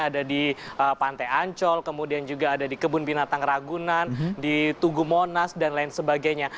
ada di pantai ancol kemudian juga ada di kebun binatang ragunan di tugu monas dan lain sebagainya